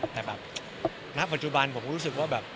แต่แบบณปัจจุบันผมก็รู้สึกว่าแบบ